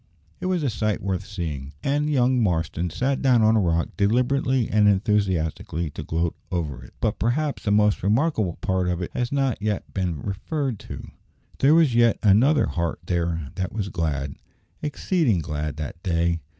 It was a sight worth seeing, and young Marston sat down on a rock, deliberately and enthusiastically, to gloat over it. But perhaps the most remarkable part of it has not yet been referred to. There was yet another heart there that was glad exceeding glad that day.